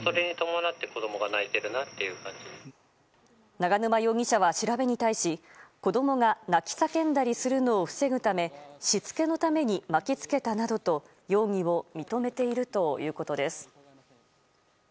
永沼容疑者は調べに対し子供が泣き叫んだりするのを防ぐためしつけのために巻きつけたなどと容疑を認めているということです。